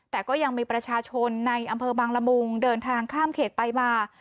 แต่ก็ยังมีประชาชนในอำเภอบางละมุงเดินทางข้ามเขตไปมา